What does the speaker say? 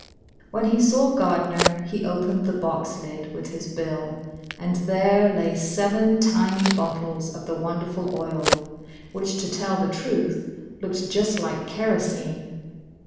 When he saw Gardner, he opened the box lid with his bill, and there lay seven tiny bottles of the wonderful oil, which to tell the truth, looked just like kerosene.